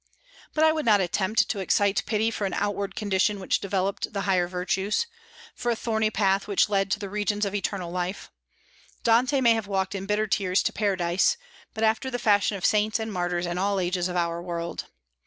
But I would not attempt to excite pity for an outward condition which developed the higher virtues, for a thorny path which led to the regions of eternal light. Dante may have walked in bitter tears to Paradise, but after the fashion of saints and martyrs in all ages of our world.